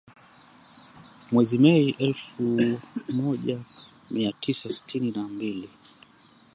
Mwezi Mei elfu moja mia tisa sitini na mbili